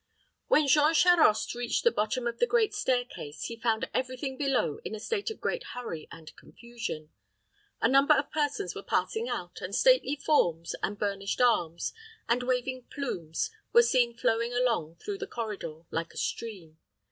When Jean Charost reached the bottom of the great stair case, he found every thing below in a state of great hurry and confusion. A number of persons were passing out, and stately forms, and burnished arms, and waving plumes were seen flowing along through the corridor like a stream.